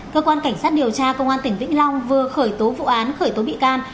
cơ quan cảnh sát điều tra công an tỉnh vĩnh long vừa khởi tố vụ án khởi tố bị can